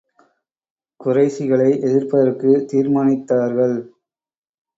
குறைஷிகளை எதிர்ப்பதற்குத் தீர்மானித்தார்கள்.